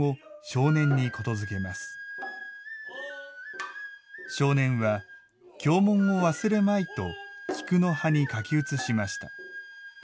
少年は経文を忘れまいと菊の葉に書き写しました。